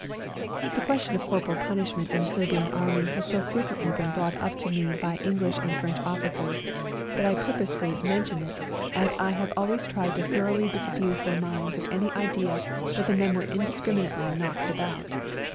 42 A SERBIAN AMBULANCE This question of corporal punishment in the Serbian Army has so frequently been brought up to me by English and French officers that I purposely mention it, as I have always tried to thoroughly disabuse their minds of any idea that the men were indiscriminately knocked about.